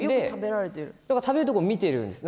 食べるところ見てるんですね。